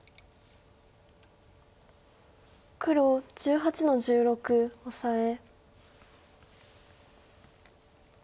黒１８の十六オサエ。